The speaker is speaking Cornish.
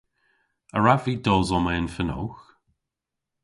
A wrav vy dos omma yn fenowgh?